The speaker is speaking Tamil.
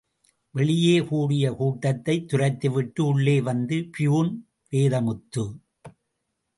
வெளியே கூடிய கூட்டத்தை துரத்திவிட்டு உள்ளே வந்த பியூன் வேதமுத்து.